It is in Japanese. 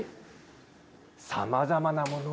さまざまなもの